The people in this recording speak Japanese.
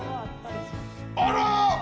あら！